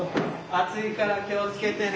熱いから気を付けてね。